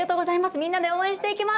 みんなで応援していきます。